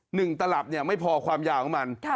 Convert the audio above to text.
หนึ่งตลับไม่พอความยาวของมัน